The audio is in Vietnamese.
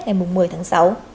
ngày một mươi tháng sáu